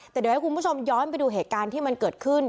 แต่เดี๋ยวให้คุณผู้ชมย้อนไปดูเหตุการณ์ที่มันเกิดขึ้น